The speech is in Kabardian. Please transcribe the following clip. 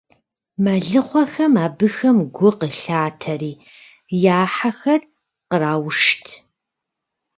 Мэлыхъуэхэм абыхэм гу къылъатэри, я хьэхэр къраушт.